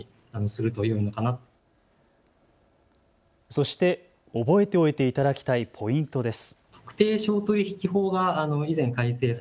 そして覚えておいていただきたいポイントです。